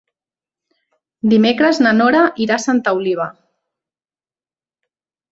Dimecres na Nora irà a Santa Oliva.